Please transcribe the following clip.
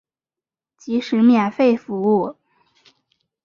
即使免费服务